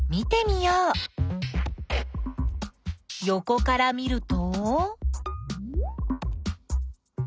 よこから見ると？